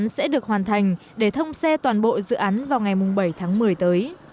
các hạng mục vẫn được hoàn thành để thông xe toàn bộ dự án vào ngày bảy tháng một mươi tới